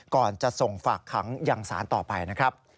ก่อนจะส่งฝากขังยังสารต่อไปนะครับ